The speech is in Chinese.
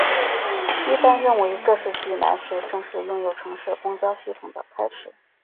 一般认为这是济南市正式拥有城市公交系统的开始。